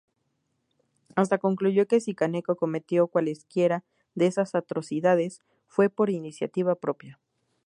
Hata concluyó que si Kaneko cometió cualesquiera de esas atrocidades, fue por iniciativa propia.